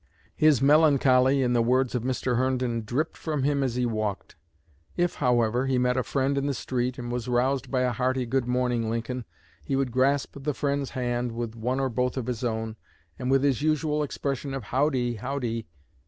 His melancholy, in the words of Mr. Herndon, 'dripped from him as he walked.' If, however, he met a friend in the street, and was roused by a hearty 'Good morning, Lincoln!' he would grasp the friend's hand with one or both of his own, and with his usual expression of 'Howdy! howdy!'